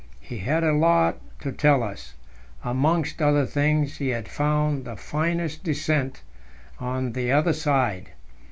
He had a lot to tell us; amongst other things, he had found "the finest descent" on the other side.